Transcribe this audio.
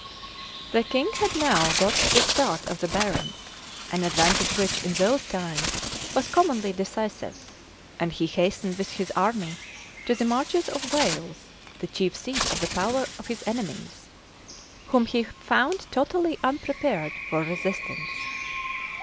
{1322.} The king had now got the start of the barons, an advantage which, in those times, was commonly decisive, and he hastened with his army to the marches of Wales, the chief seat of the power of his enemies, whom he found totally unprepared for resistance.